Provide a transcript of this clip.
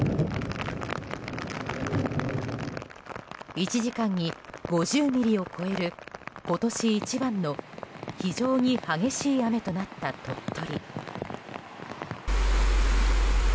１時間に５０ミリを超える今年一番の非常に激しい雨となった鳥取。